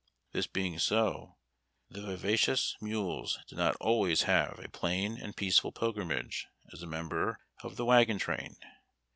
This being so, the vivacious mule did not always have a plain and peaceful pilgrimage as a member of the wagon train.